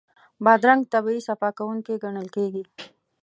بادرنګ طبعي صفا کوونکی ګڼل کېږي.